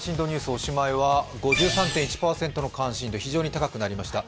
おしまいは５３．１％の関心度、非常に高くなりました。